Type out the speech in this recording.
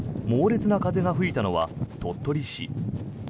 猛烈な風が吹いたのは鳥取市。